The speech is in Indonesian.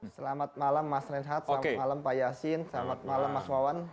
selamat malam mas renhat selamat malam pak yasin selamat malam mas wawan